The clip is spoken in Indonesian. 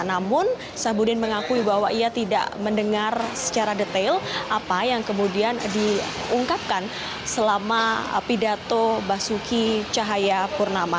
namun sahbudin mengakui bahwa ia tidak mendengar secara detail apa yang kemudian diungkapkan selama pidato basuki cahaya purnama